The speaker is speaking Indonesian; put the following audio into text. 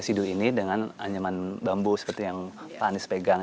sidu ini dengan anyaman bambu seperti yang pak anies pegang